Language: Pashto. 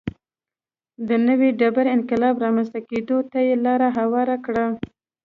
د نوې ډبرې انقلاب رامنځته کېدو ته یې لار هواره کړه.